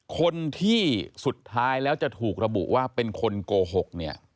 คนที่สุดท้ายแล้วจะถูกระบุว่าเป็นคนโกหกเนี่ย